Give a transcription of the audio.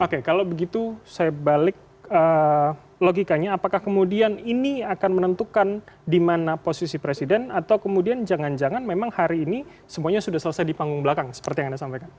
oke kalau begitu saya balik logikanya apakah kemudian ini akan menentukan di mana posisi presiden atau kemudian jangan jangan memang hari ini semuanya sudah selesai di panggung belakang seperti yang anda sampaikan